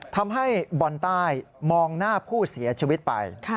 ทำให้บอลใต้มองหน้าผู้เสียชีวิตไป